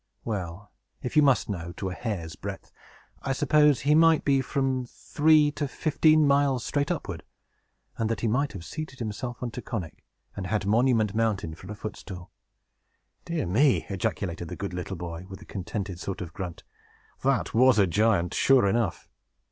Well, if you must know to a hair's breadth, I suppose he might be from three to fifteen miles straight upward, and that he might have seated himself on Taconic, and had Monument Mountain for a footstool." "Dear me!" ejaculated the good little boy, with a contented sort of a grunt, "that was a giant, sure enough!